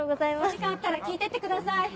お時間あったら聴いてってください。